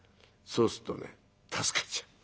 そうすっとね助かっちゃう。